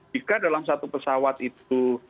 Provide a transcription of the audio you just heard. jika dalam satu pesawat itu